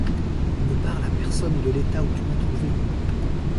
Ne parle à personne de l'état où tu m'as trouvé.